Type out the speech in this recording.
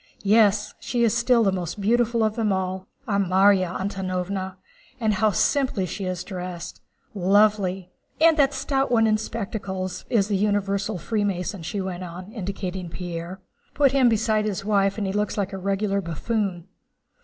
Yes, she is still the most beautiful of them all, our Márya Antónovna! And how simply she is dressed! Lovely! And that stout one in spectacles is the universal Freemason," she went on, indicating Pierre. "Put him beside his wife and he looks a regular buffoon!"